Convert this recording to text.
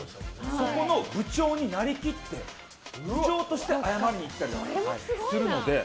そこの部長になりきって部長として謝りに行ったりするので。